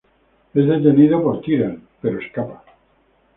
Es detenido por Tyrell, pero escapa.